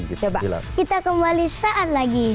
kita kembali saat lagi